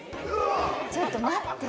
ちょっと待って！